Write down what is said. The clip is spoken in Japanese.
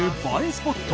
スポット